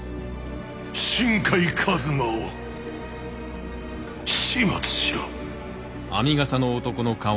新海一馬を始末しろ。